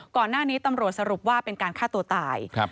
ก่อนหน้านี้ตำรวจสรุปว่าเป็นการฆ่าตัวตาย